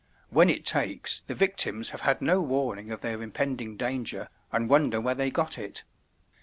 When it takes, the victims have had no warning of their impending danger, and wonder where they got it.